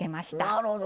なるほど。